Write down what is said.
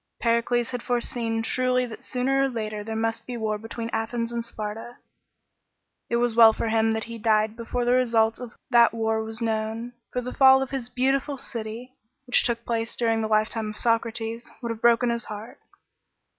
Pericles had foreseen truly that sooner or later there must be war between Athens and Sparta. It was well for him that he died before the result of that war was known ; for the fall of his beautiful 116 EXPEDITION OF CYRUS. [B.C. 401. city, which took place during the lifetime of Socrates, would have broken hik heart.